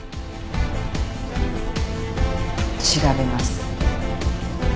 調べます。